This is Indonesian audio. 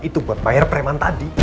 itu buat bayar preman tadi